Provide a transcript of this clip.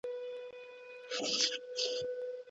په ټولنه کي د نظر خاوندان تل درناوی کېږي.